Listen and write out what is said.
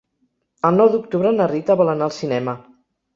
El nou d'octubre na Rita vol anar al cinema.